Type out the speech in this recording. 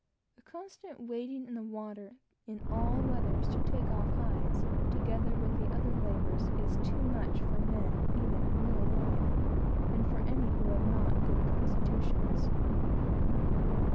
The constant wading in the water, in all weathers, to take off hides, together with the other labors, is too much for old men, and for any who have not good constitutions.